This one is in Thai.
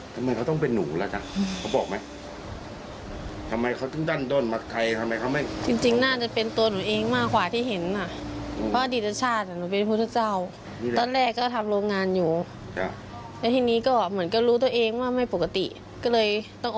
คิดถึงเลินมากเพราะไม่ได้ติดต่อกันเลย